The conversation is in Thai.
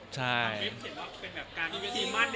อเจมส์เห็นว่าเป็นแบบการพิเวธที่มั่นเรียบร้อยไปหมดแล้ว